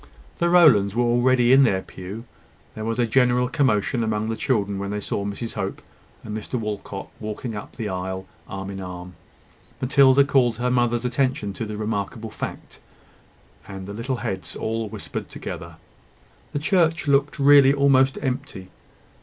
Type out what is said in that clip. The Rowlands were already in their pew. There was a general commotion among the children when they saw Mrs Hope and Mr Walcot walking up the aisle arm in arm. Matilda called her mother's attention to the remarkable fact, and the little heads all whispered together. The church looked really almost empty.